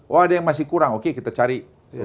oh ada yang masih kurang oke kita cari